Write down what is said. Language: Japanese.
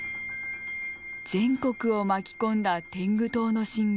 全国を巻き込んだ天狗党の進軍。